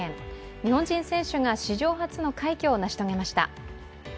日本人選手が史上初の快挙を成し遂げました。